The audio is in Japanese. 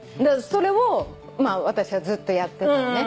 それを私はずっとやってたのね。